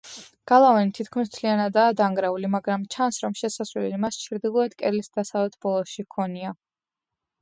გალავანი თითქმის მთლიანადაა დანგრეული, მაგრამ ჩანს, რომ შესასვლელი მას ჩრდილოეთ კედლის დასავლეთ ბოლოში ჰქონია.